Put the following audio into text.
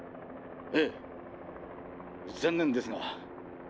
ええ残念ですが。